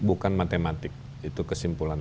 bukan matematik itu kesimpulan